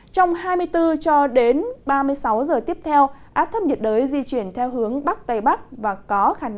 trong ba mươi sáu cho đến bốn mươi tám h tiếp theo bão di chuyển theo hướng bắc tây bắc